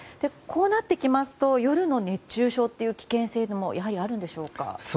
こうなってきますと夜の熱中症の危険性もやはりあるんでしょうか。